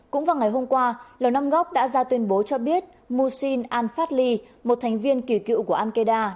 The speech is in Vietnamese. cũng vào ngày hôm qua lầu năm góc đã ra tuyên bố cho biết muxin an phat lee một thành viên kỳ cựu của an kedai